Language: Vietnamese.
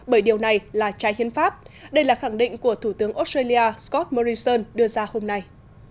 bởi điều này là trái hiến pháp đây là khẳng định của thủ tướng australia scott morrison đưa ra hôm nay